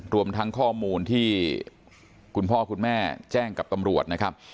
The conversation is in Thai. รวมทั้งข้อมูลที่คุณพ่อคุณแม่แจ้งกับตำรวจนะครับ